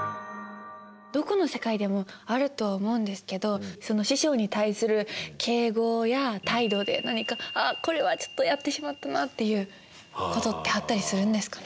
どこの世界でもあると思うんですけど師匠に対する敬語や態度で何か「あっこれはちょっとやってしまったな」っていう事ってあったりするんですかね？